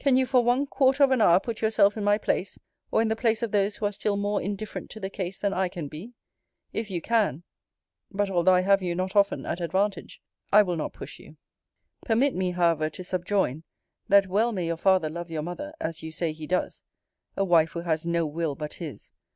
Can you for one quarter of an hour put yourself in my place, or in the place of those who are still more indifferent to the case than I can be? If you can But although I have you not often at advantage, I will not push you. * See Vol. I. Letter XXVIII. Permit me, however, to subjoin, that well may your father love your mother, as you say he does. A wife who has no will but his!